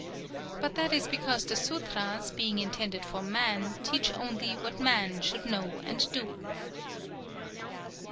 But that is because the sûtras, being intended for man, teach only what man should know and do.